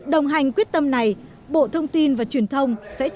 đồng hành quyết tâm này bộ thông tin và truyền thông sẽ trả lời